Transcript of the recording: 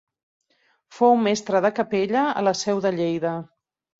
Fou mestre de capella de la seu de Lleida.